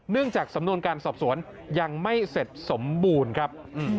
จากสำนวนการสอบสวนยังไม่เสร็จสมบูรณ์ครับ